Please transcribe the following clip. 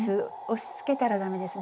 押しつけたら駄目です。